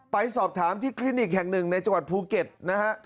ไปสอบถามที่คลินิกแห่งหนึ่งในจังหวัดภูเก็ตนะฮะ